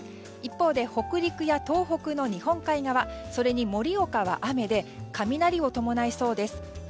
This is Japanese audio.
一方で北陸や東北の日本海側それに盛岡は雨で雷を伴いそうです。